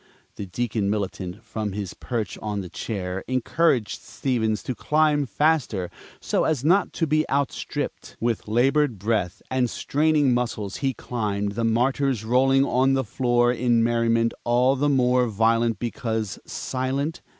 The Deacon Militant, from his perch on the chair, encouraged Stevens to climb faster so as not to be outstripped. With labored breath and straining muscles he climbed, the Martyrs rolling on the floor in merriment all the more violent because silent.